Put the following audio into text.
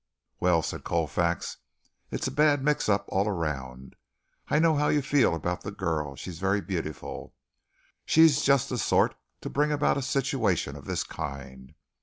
"Well," said Colfax, "it's a bad mix up all around. I know how you feel about the girl. She's very beautiful. She's just the sort to bring about a situation of this kind.